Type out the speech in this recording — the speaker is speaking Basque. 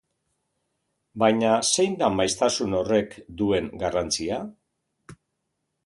Baina zein da maiztasun horrek duen garrantzia?